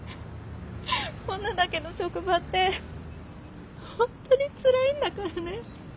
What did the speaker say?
女だけの職場って本当につらいんだからね。